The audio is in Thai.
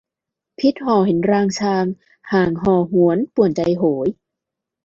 พิศห่อเห็นรางชาง ห่างห่อหวนป่วนใจโหย